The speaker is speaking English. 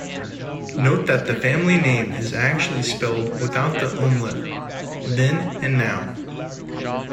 Note that the family name is actually spelled without the umlaut, then and now.